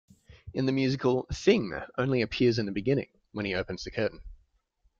In the musical, Thing only appears in the beginning, when he opens the curtain.